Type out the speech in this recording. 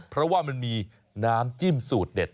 เพราะว่ามันมีน้ำจิ้มสูตรเด็ด